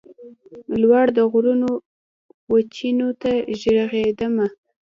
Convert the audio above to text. لوړ د غرونو وچېنو ته ږغېدمه